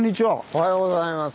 おはようございます。